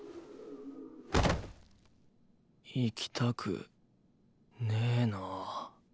行きたくねぇな。